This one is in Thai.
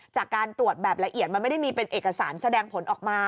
จากการตรวจแบบละเอียดมันไม่ได้มีเป็นเอกสารแสดงผลออกมา